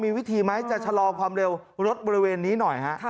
มีวิธีไหมจะชะลอความเร็วรถบริเวณนี้หน่อยฮะ